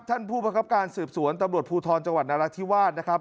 ท่านผู้ประคับการสืบสวนตำรวจภูทรจังหวัดนราธิวาสนะครับ